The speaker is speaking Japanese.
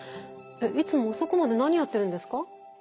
いつも遅くまで何やってるんですか？